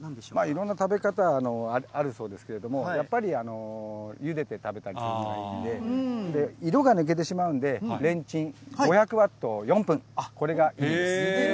いろんな食べ方あるそうですけれども、やっぱりゆでて食べるのがいいんで、で、色が抜けてしまうんで、レンチン、５００ワットを４分、これがいいです。